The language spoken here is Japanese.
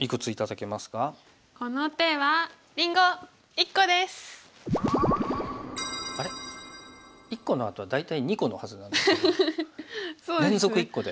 １個のあとは大体２個のはずなんですけど連続１個で。